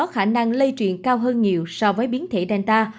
khả năng lây truyền cao hơn nhiều so với biến thể danta